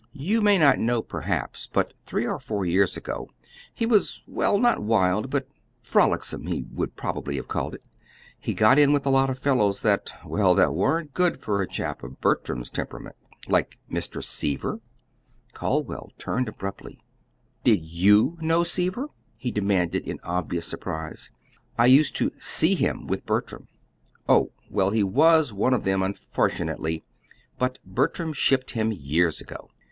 You may not know, perhaps, but three or four years ago he was well, not wild, but 'frolicsome,' he would probably have called it. He got in with a lot of fellows that well, that weren't good for a chap of Bertram's temperament." "Like Mr. Seaver?" Calderwell turned sharply. "Did YOU know Seaver?" he demanded in obvious surprise. "I used to SEE him with Bertram." "Oh! Well, he WAS one of them, unfortunately. But Bertram shipped him years ago."